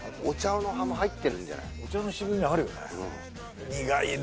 お茶の葉も入ってるんじゃない？